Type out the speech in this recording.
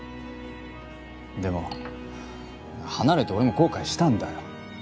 でも離れて俺も後悔したんだよ。